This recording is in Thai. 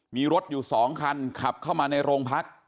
มีรถอยู่๒คันขับเข้ามาในโรงพัก